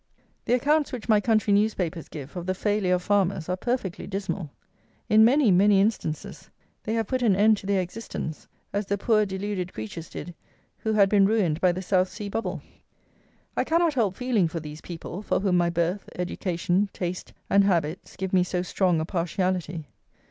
The accounts which my country newspapers give of the failure of farmers are perfectly dismal. In many, many instances they have put an end to their existence, as the poor deluded creatures did who had been ruined by the South Sea Bubble! I cannot help feeling for these people, for whom my birth, education, taste, and habits give me so strong a partiality.